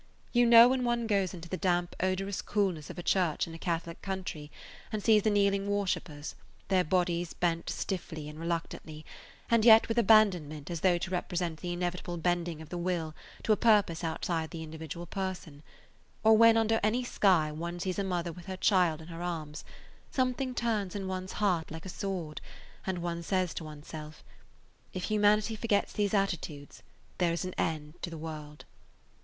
You know when one goes into [Page 139] the damp, odorous coolness of a church in a Catholic country and sees the kneeling worshipers, their bodies bent stiffly and reluctantly, and yet with abandonment as though to represent the inevitable bending of the will to a purpose outside the individual person, or when under any sky one sees a mother with her child in her arms, something turns in one's heart like a sword, and one says to oneself, "If humanity forgets these attitudes there is an end to the world."